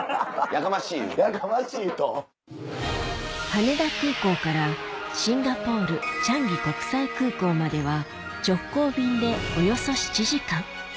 羽田空港からシンガポール・チャンギ国際空港までは直行便でおよそ７時間